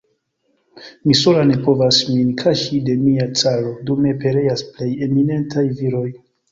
Mi sola ne povas min kaŝi de mia caro, dume pereas plej eminentaj viroj.